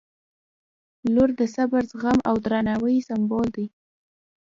• لور د صبر، زغم او درناوي سمبول دی.